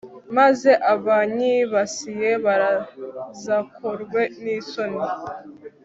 maze abanyibasiye bazakorwe n'isoni